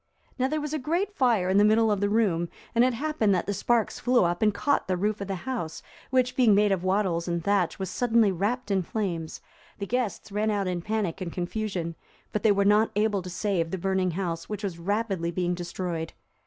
Now there was a great fire in the middle of the room, and it happened that the sparks flew up and caught the roof of the house, which being made of wattles and thatch, was suddenly wrapped in flames; the guests ran out in panic and confusion, but they were not able to save the burning house, which was rapidly being destroyed.